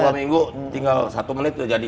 dua minggu tinggal satu menit udah jadi